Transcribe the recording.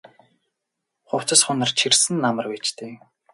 Хувцас хунар чирсэн нь амар байж дээ.